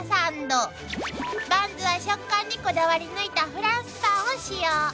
［バンズは食感にこだわりぬいたフランスパンを使用］